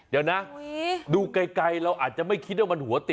ละให้ดูไกลเราอาจจะไม่คิดว่ามันหัวติด